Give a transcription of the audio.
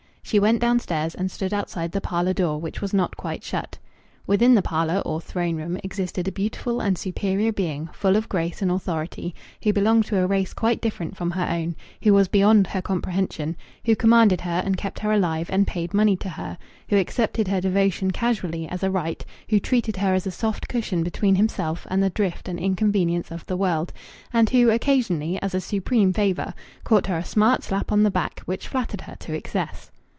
She went downstairs and stood outside the parlour door, which was not quite shut. Within the parlour, or throne room, existed a beautiful and superior being, full of grace and authority, who belonged to a race quite different from her own, who was beyond her comprehension, who commanded her and kept her alive and paid money to her, who accepted her devotion casually as a right, who treated her as a soft cushion between himself and the drift and inconvenience of the world, and who occasionally, as a supreme favour, caught her a smart slap on the back, which flattered her to excess.